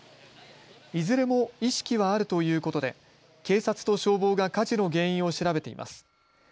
いずれも意識はあるということで警察と消防が火事の原因を調べています。